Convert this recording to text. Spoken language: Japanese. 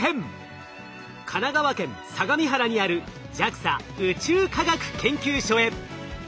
神奈川県相模原にあるＪＡＸＡ宇宙科学研究所へ！